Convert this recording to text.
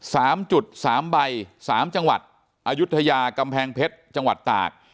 สามจุดสามใบสามจังหวัดอายุทยากำแพงเพชรจังหวัดตาก